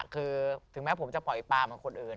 คือถึงแม้ผมจะปล่อยปลาคนอื่น